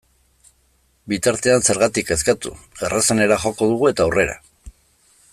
Bitartean, zergatik kezkatu, errazenera joko dugu eta aurrera!